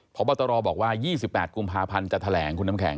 ขอบรรตรอบอกว่า๒๘กุมภาพันธุ์จะแทรกคุณน้ำแข็ง